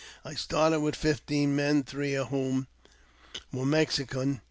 I started with fifteen men, three of whom were Mexicans.